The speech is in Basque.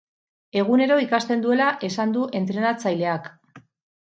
Egunero ikasten duela esan du entrenatzaileak.